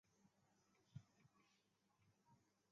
顾客也可以使用密码货币比特币来购买物品。